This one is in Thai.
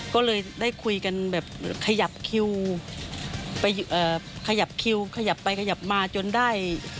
ก็เลยได้คุยกันแบบขยับคิวไปขยับคิวขยับไปขยับมาจนได้